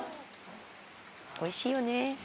おいしいよね。